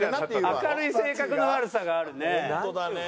明るい性格の悪さがあるね。